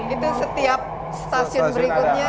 itu setiap stasiun berikutnya